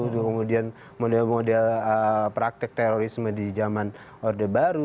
kemudian model model praktek terorisme di zaman orde baru